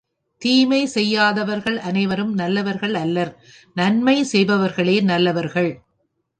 தீமை செய்யாதவர்கள் அனைவரும் நல்லவர்கள் அல்லர் நன்மை செய்பவர்களே நல்லவர்கள்.